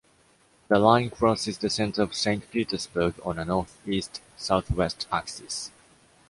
The line crosses the center of Saint Petersburg on a northeast-southwest axis.